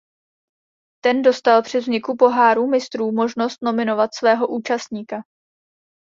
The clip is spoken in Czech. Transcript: Ten dostal při vzniku Poháru mistrů možnost nominovat svého účastníka.